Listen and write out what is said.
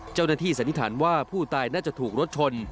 เจ้าหน้าที่สันนิษฐานว่าผู้ตายน่าจะถูกรถชน